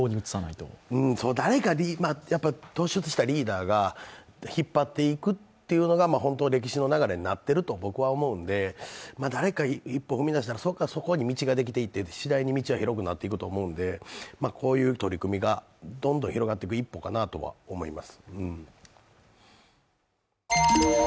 誰か突出したリーダーが引っ張っていくのが本当は歴史の流れになっていくと思うんで誰か一歩踏み出したらそこに道が出来上がっていって次第に道が広くなっていくと思うので、こういう取り組みがどんどん広がっていく一歩かなと思います。